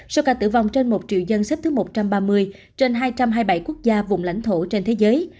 số ca tử vong trên một triệu dân xếp thứ một trăm ba mươi trên hai trăm hai mươi bảy quốc gia vùng lãnh thổ trên thế giới